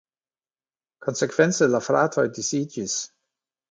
Konsekvence la fratoj disiĝis.